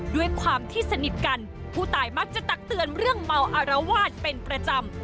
ด้วยความที่สนิทกันผู้ตายมักจะตักเตือนเรื่องเมาอารวาสเป็นประจำ